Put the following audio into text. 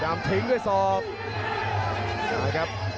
พยายามทิ้งด้วยสอบ